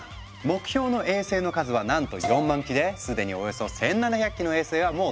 目標の衛星の数はなんと４万基ですでにおよそ１，７００基の衛星はもう飛ばし終えてるの。